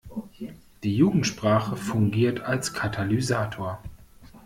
Die Jugendsprache fungiert als Katalysator.